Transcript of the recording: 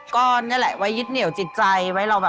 ก็นี่แหละไว้ยึดเหนี่ยวจิตใจ